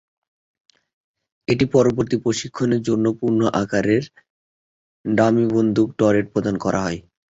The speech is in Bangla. পরবর্তীতে প্রশিক্ষণের জন্য পূর্ণ আকারের ডামি বন্দুক টারেট প্রদান করা হয়।